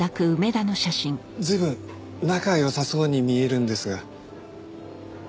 随分仲良さそうに見えるんですが。